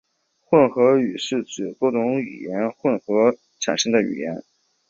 混合语是指多种语言融合产生的语言。